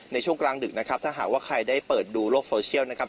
ในช่วงกลางดึกนะครับถ้าหากว่าใครได้เปิดดูโลกโซเชียลนะครับ